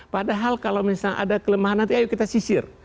padahal kalau misalnya ada kelemahan nanti ayo kita sisir